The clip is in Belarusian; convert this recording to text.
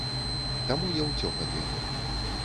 Таму я ўцёк ад яго.